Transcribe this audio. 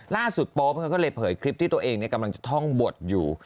โป๊ปเขาก็เลยเผยคลิปที่ตัวเองกำลังจะท่องบทอยู่